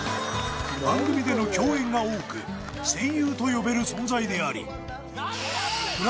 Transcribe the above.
番組での共演が多く戦友と呼べる存在であり違う！